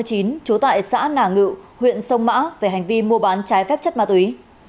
trú tại xã nà ngự huyện sông mã về hành vi mua bán trái phép chất ma túy